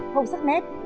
không sắc nét